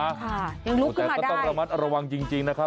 ค่ะยังลุกขึ้นมาได้แต่ก็ต้องระมัดระวังจริงนะครับ